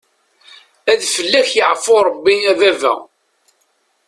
Ad fell-ak yeɛfu rebbi a baba.